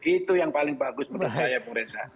itu yang paling bagus menurut saya bu reza